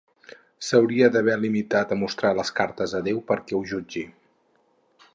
S'hauria d'haver limitat a mostrar les cartes a déu perquè ho jutgi.